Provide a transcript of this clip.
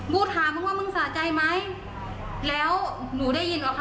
กูถามมึงว่ามึงสะใจไหมแล้วหนูได้ยินเหรอคะ